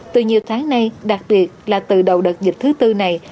từ nhiều tháng nay đặc biệt là từ đầu đợt dịch thứ tư này